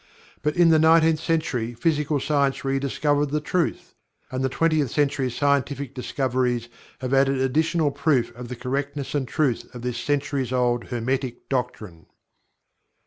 But in the Nineteenth Century physical science re discovered the truth and the Twentieth Century scientific discoveries have added additional proof of the correctness and truth of this centuries old Hermetic doctrine.